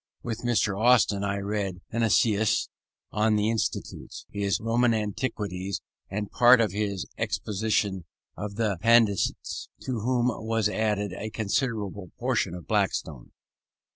With Mr. Austin I read Heineccius on the Institutes, his Roman Antiquities, and part of his exposition of the Pandects; to which was added a considerable portion of Blackstone.